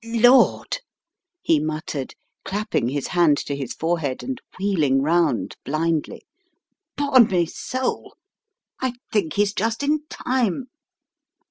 "Lord," he muttered, clapping his hand to his forehead and wheeling round blindly, " 'pon me soul, I think he's just in time.